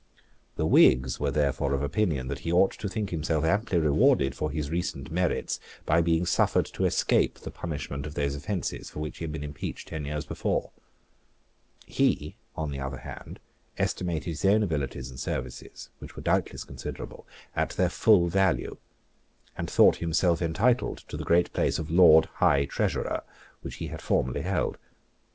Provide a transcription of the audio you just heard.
The Whigs were therefore of opinion that he ought to think himself amply rewarded for his recent merits by being suffered to escape the punishment of those offences for which he had been impeached ten years before. He, on the other hand, estimated his own abilities and services, which were doubtless considerable, at their full value, and thought himself entitled to the great place of Lord High Treasurer, which he had formerly held.